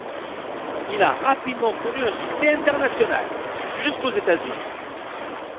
Il a rapidement connu un succès international, jusqu'aux États-Unis.